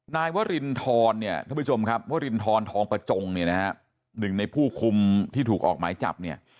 นายว่ารินทรท่านผู้ชมครับว่ารินทรทองประจงหนึ่งในผู้คุมที่ถูกออกไม้จับ